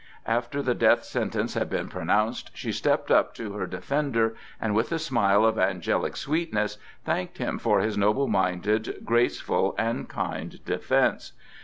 After the death sentence had been pronounced, she stepped up to her defender, and with a smile of angelic sweetness thanked him for his noble minded, graceful and kind defence.